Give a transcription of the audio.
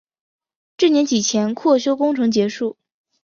至年底前扩修工程结束。